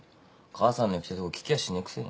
母さんの行きたいとこ聞きゃしねえくせに。